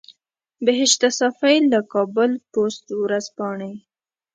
بهشته صافۍ له کابل پوسټ ورځپاڼې.